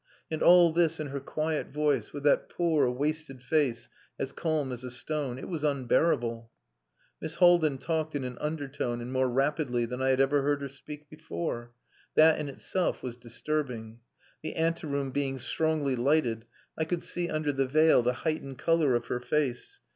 And all this in her quiet voice, with that poor, wasted face as calm as a stone. It was unbearable." Miss Haldin talked in an undertone and more rapidly than I had ever heard her speak before. That in itself was disturbing. The ante room being strongly lighted, I could see under the veil the heightened colour of her face.